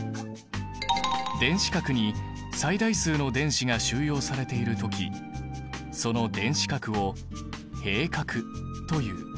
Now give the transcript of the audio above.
電子殻に最大数の電子が収容されている時その電子殻を閉殻という。